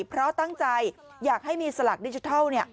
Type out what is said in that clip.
เพราะตั้งใจอยากให้มีสลักดิจิทัล